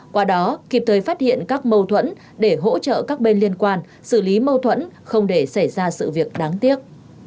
qua đó kịp thời phát hiện các mâu thuẫn để hỗ trợ các bên liên quan xử lý mâu thuẫn không để xảy ra sự việc đáng tiếc